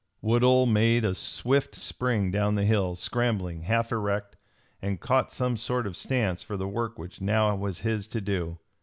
Woodhull made a swift spring down the hill, scrambling, half erect, and caught some sort of stance for the work which now was his to do.